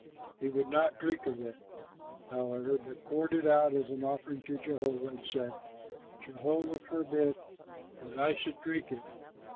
He would not drink of it, however, but poured it out as an offering to Jehovah and said, "Jehovah forbid that I should drink it.